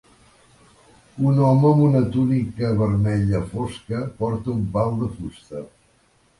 Un home amb una túnica vermella fosca porta un pal de fusta.